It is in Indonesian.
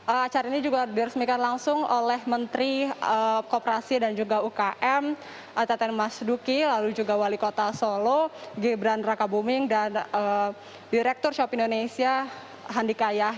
acara ini juga diresmikan langsung oleh menteri kooperasi dan juga ukm teten mas duki lalu juga wali kota solo gibran raka buming dan direktur shop indonesia handi kayah